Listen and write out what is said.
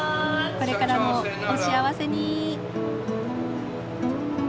これからもお幸せに。